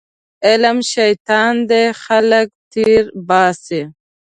علم شیطان دی خلک تېرباسي